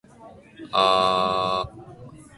密着しないでキム・ジス選手としては低く潜りたいですね。